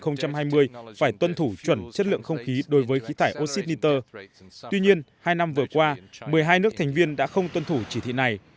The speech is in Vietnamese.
năm hai nghìn hai mươi phải tuân thủ chuẩn chất lượng không khí đối với khí thải oxyer tuy nhiên hai năm vừa qua một mươi hai nước thành viên đã không tuân thủ chỉ thị này